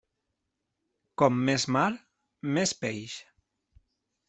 Com més mar, més peix.